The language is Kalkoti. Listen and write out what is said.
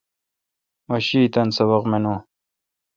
مہ شی تان سبق منون۔